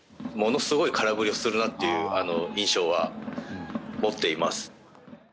ものすごい空振りをするなという印象を持っています。